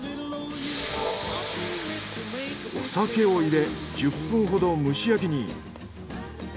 お酒を入れ１０分ほど蒸し焼きに。